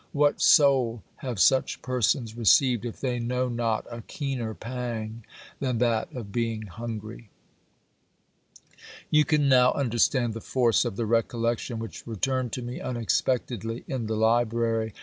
What soul have such persons received if they know not a keener pang than that of being hungry ! You can now understand the force of the recollection which returned to me unexpectedly in the library.